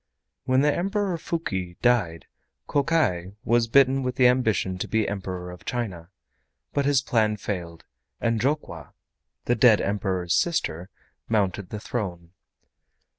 When the Emperor Fuki died, Kokai was bitten with the ambition to be Emperor of China, but his plan failed, and Jokwa, the dead Emperor's sister, mounted the throne.